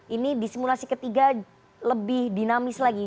ini di simulasi ketiga lebih dinamis lagi